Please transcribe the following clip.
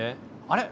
あれ？